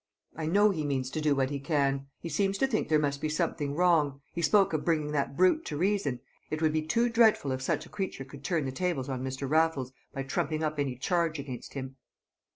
I know he means to do what he can. He seems to think there must be something wrong; he spoke of bringing that brute to reason if not to justice. It would be too dreadful if such a creature could turn the tables on Mr. Raffles by trumping up any charge against him!"